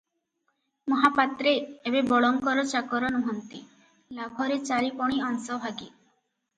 ମହାପାତ୍ରେ ଏବେ ବଳଙ୍କର ଚାକର ନୁହନ୍ତି, ଲାଭରେ ଚାରିପଣି ଅଂଶଭାଗୀ ।